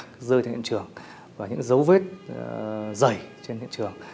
những dấu vết trên hiện trường và những dấu vết dày trên hiện trường